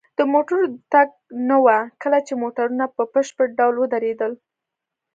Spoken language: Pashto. د موټرو د تګ نه وه، کله چې موټرونه په بشپړ ډول ودرېدل.